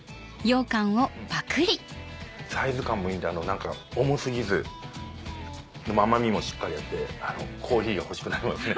サイズ感もいいんで重過ぎず甘みもしっかりあってコーヒーが欲しくなりますね。